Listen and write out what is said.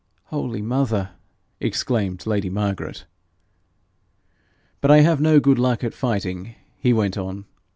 'Holy mother!' exclaimed lady Margaret. 'But I have no good luck at fighting,' he went on.